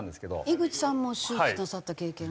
井口さんも手術なさった経験が？